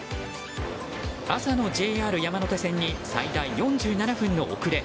朝のＪＲ山手線に最大４７分の遅れ。